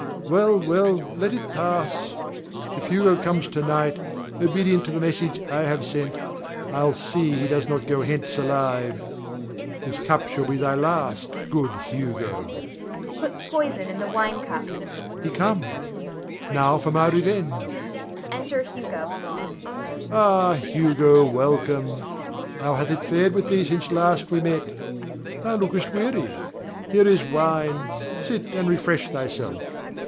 Well, well, let it pass! If Hugo comes to night, obedient to the message I have sent, I'll see he goes not hence alive. This cup shalt be thy last, good Hugo! [Puts poison in the wine cup.] He comes, now for my revenge! [Enter Hugo.] Ah, Hugo, welcome! How hath it fared with thee since last we met? Thou lookest weary, here is wine; sit and refresh thyself.